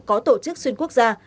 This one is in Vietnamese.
có tổ chức xuyên quốc gia